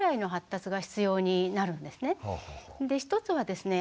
１つはですね